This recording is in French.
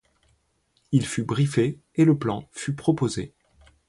Il fut briefé et le plan fut proposé.